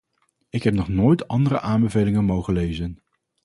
Ik heb nog nooit andere aanbevelingen mogen lezen.